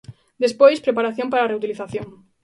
Despois, preparación para a reutilización.